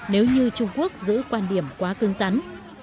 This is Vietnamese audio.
nếu như trung quốc giữ quan điểm quá cưng rắn